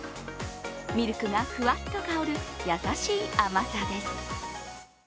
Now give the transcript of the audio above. ミルクがふわっと香る優しい甘さです。